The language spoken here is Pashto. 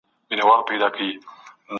د خدای په رحمت باور ولرئ.